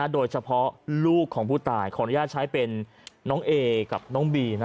โดยเฉพาะลูกของผู้ตายขออนุญาตใช้เป็นน้องเอกับน้องบี